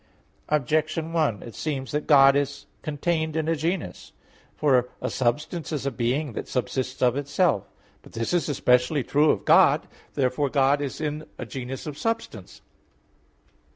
Objection 1: It seems that God is contained in a genus. For a substance is a being that subsists of itself. But this is especially true of God. Therefore God is in a genus of substance.